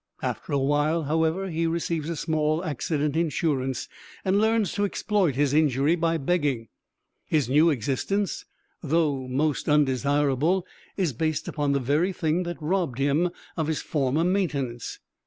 After a while, however, he receives a small accident insurance, and learns to exploit his injury by begging. His new existence, though most undesirable, is based upon the very thing that robbed him of his former maintenance.